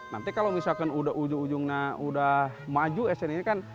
nanti kalau misalkan udah ujung ujungnya udah maju sn ini kan